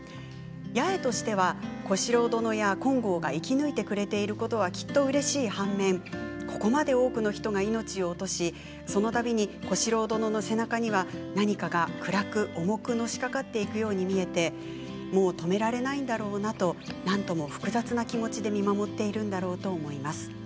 八重としては、小四郎殿や金剛が生き抜いてくれていることはきっとうれしい反面ここまで多くの人が命を落としその度に小四郎殿の背中には何かが暗く重くのしかかっていくように見えてもう止められないんだろうなとなんとも複雑な気持ちで見守っているんだろうと思います。